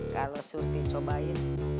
kalau surti cobain